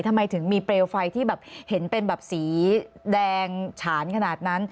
ทำไมถึงมีเปลวไฟที่แบบเห็นเป็นแบบสีแดงฉานขนาดนั้น